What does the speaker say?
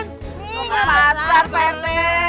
nggak pasar pak rt